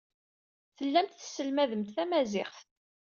Tellamt tesselmademt tamaziɣt.